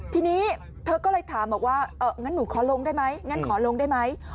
ทีนี้เธอก็เลยถามว่างั้นหนูขอลงได้ไหม